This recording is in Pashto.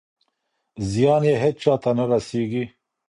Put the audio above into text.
زیان یې هېچا ته نه رسېږي.